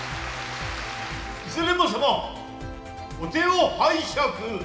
いずれも様お手を拝借。